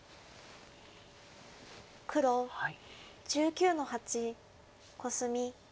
黒１９の八コスミ。